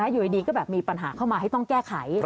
อยู่ดีก็แบบมีปัญหาเข้ามาให้ต้องแก้ไข